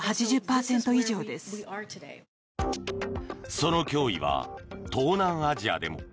その脅威は東南アジアでも。